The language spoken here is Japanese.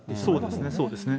そうですね、そうですね。